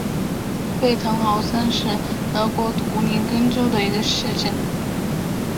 贝滕豪森是德国图林根州的一个市镇。